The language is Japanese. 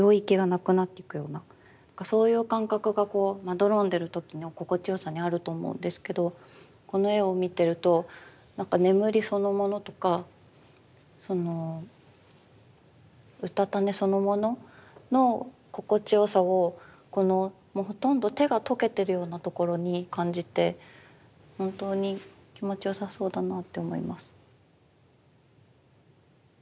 そういう感覚がこうまどろんでる時の心地よさにあると思うんですけどこの絵を見てるとなんか眠りそのものとかそのうたた寝そのものの心地よさをこのもうほとんど手が溶けてるようなところに感じて本当に気持ちよさそうだなって思います。